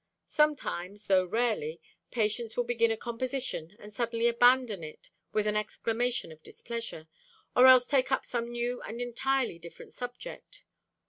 Sometimes, though rarely, Patience will begin a composition and suddenly abandon it with an exclamation of displeasure, or else take up a new and entirely different subject.